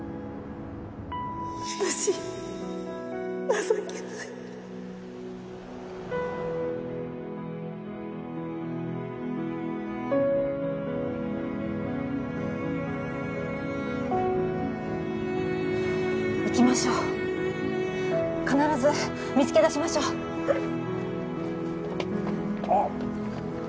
私情けない行きましょう必ず見つけ出しましょうえっ？